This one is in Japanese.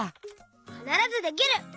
「かならずできる！」。